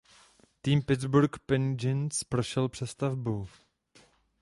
Tým Pittsburgh Penguins prošel „přestavbou“.